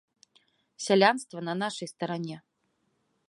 Сялянства на нашай старане.